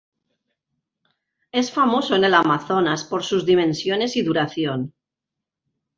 Es famoso en el Amazonas por sus dimensiones y duración.